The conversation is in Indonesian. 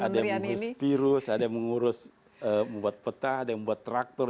ada yang mengurus virus ada yang mengurus membuat peta ada yang membuat traktor